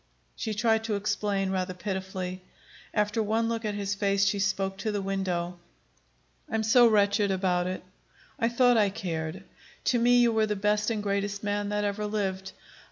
She tried to explain, rather pitifully. After one look at his face, she spoke to the window. "I'm so wretched about it. I thought I cared. To me you were the best and greatest man that ever lived.